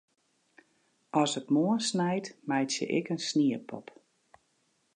As it moarn snijt, meitsje ik in sniepop.